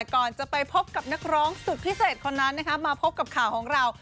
ก่อนจะไปพบกับนักร้องสุดพิเศษคนนั้นมาพบกับข่าวของเรา